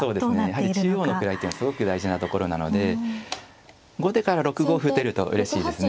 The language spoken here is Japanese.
やはり中央の位っていうのはすごく大事なところなので後手から６五歩打てるとうれしいですね。